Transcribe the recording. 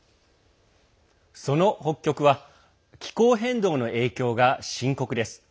その北極は気候変動の影響が深刻です。